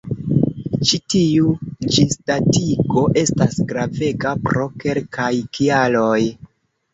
Ĉi tiu ĝisdatigo estas gravega pro kelkaj kialoj.